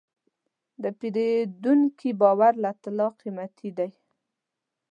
د پیرودونکي باور له طلا قیمتي دی.